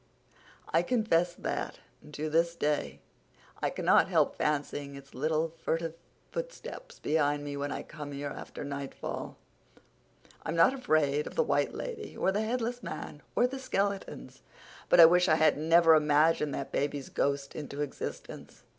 I confess that, to this day, I cannot help fancying its little, furtive footsteps behind me when I come here after nightfall. I'm not afraid of the White Lady or the headless man or the skeletons, but I wish I had never imagined that baby's ghost into existence.